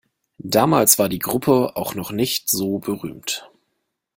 Damals war die Gruppe auch noch nicht so berühmt.